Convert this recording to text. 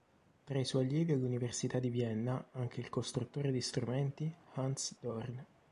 Tra i suoi allievi all'Università di Vienna anche il costruttore di strumenti Hans Dorn.